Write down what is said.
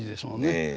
ええ。